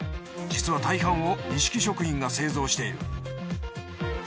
実は大半をにしき食品が製造している。